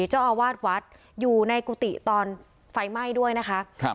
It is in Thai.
เจ้าอาวาสวัดอยู่ในกุฏิตอนไฟไหม้ด้วยนะคะครับ